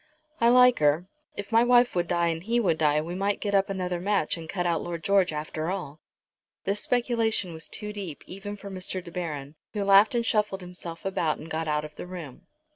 I like her. If my wife would die and he would die, we might get up another match and cut out Lord George after all." This speculation was too deep even for Mr. De Baron, who laughed and shuffled himself about, and got out of the room.